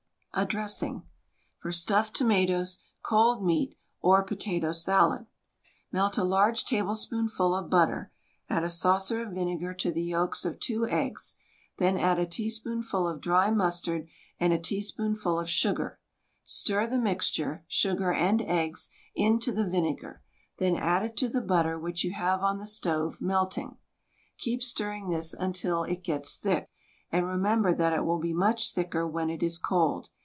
A DRESSING (For stuffed tomatoes, cold meat or potato salad.) Melt a large tablespoonful of butter. Add a saucer of vinegar to the yolks of two eggs. Then add a tea spoonful of dry mustard and a teaspoonful of sugar. Stir the mixture — sugar and eggs — into the vinegar; then add it to the butter which you have on the stove, melting. Keep stirring this until it gets thick, and remember that it will be much thicker when it is cold.